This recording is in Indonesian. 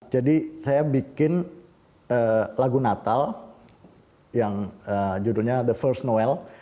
jadi saya bikin lagu natal yang judulnya the first noel